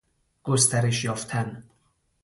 گسترش یافتن